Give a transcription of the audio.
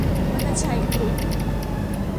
วนชัย กรุ๊ป